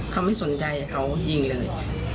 เขาไม่สนใจเขายิงเลย